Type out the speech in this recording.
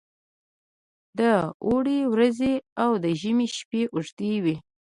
د اوړي ورځې او د ژمي شپې اوږې وي.